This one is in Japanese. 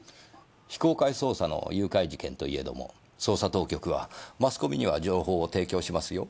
非公開捜査の誘拐事件といえども捜査当局はマスコミには情報を提供しますよ。